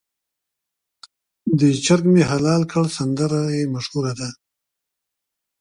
د چرګ مې حلال کړ سندره یې مشهوره وه.